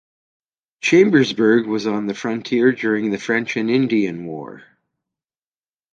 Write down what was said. Chambersburg was on the frontier during the French and Indian War.